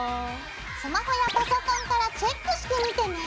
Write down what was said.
スマホやパソコンからチェックしてみてね。